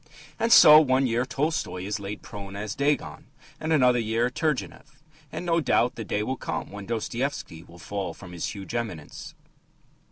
And so one year Tolstoy is laid prone as Dagon, and, another year, Turgenev. And, no doubt, the day will come when Dostoevsky will fall from his huge eminence.